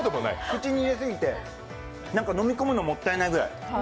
口に入れすぎて飲み込むのもったいないくらい。